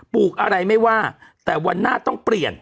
ลูกอะไรไม่ว่าแต่วันหน้าต้องเปลี่ยน